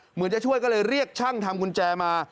เหมือนจะช่วยก็เลยเรียกช่างทำกุญแจมา